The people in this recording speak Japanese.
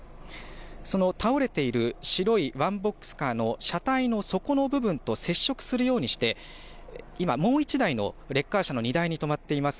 その倒れている白いワンボックスカーの車体の底の部分と接触するようにして今もう１台のレッカー車の荷台に止まっています